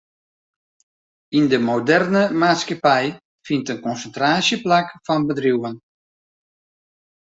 Yn de moderne maatskippij fynt in konsintraasje plak fan bedriuwen.